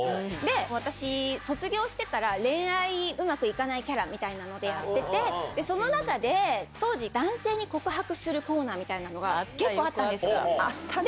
私、卒業してから恋愛うまくいかないキャラみたいなのでやってて、その中で、当時、男性に告白するコーナーみたいなのが結構あったんですよ。